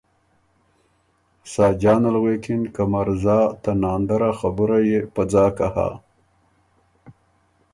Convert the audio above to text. ساجان ال غوېکِن که ”مرزا ته ناندر ا خبُره يې په ځاکه هۀ